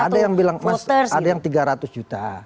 ada yang bilang mas ada yang tiga ratus juta